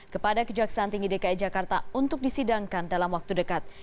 kepada kejaksaan tinggi dki jakarta untuk disidangkan dalam waktu dekat